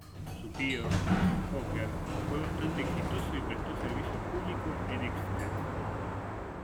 Su tío, John Hooker fue bastante exitoso y prestó servicio público en Exeter.